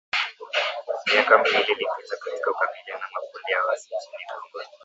Miaka miwili ilipita katika kukabiliana na makundi ya waasi nchini Kongo